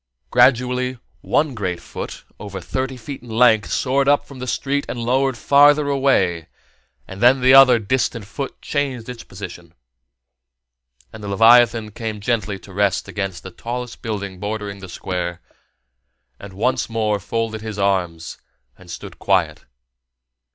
Gradually, one great foot, over thirty feet in length, soared up from the street and lowered farther away, and then the other distant foot changed its position; and the leviathan came gently to rest against the tallest building bordering the Square, and once more folded his arms and stood quiet.